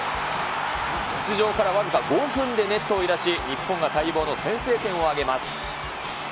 出場から僅か５分でネットを揺らし、日本が待望の先制点を挙げます。